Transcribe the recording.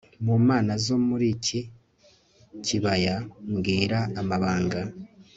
mu mana zo muri iki kibaya mbwira amabanga